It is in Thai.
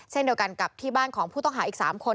เช่นเดียวกันกับที่บ้านของผู้ต้องหาอีก๓คน